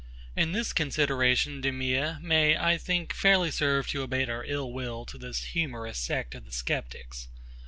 And this consideration, DEMEA, may, I think, fairly serve to abate our ill will to this humorous sect of the sceptics.